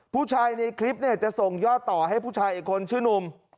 ผู้ชายในคลิปเนี่ยจะส่งยอดต่อให้ผู้ชายอีกคนชื่อนุ่ม